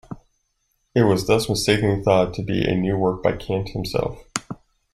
It was thus mistakenly thought to be a new work by Kant himself.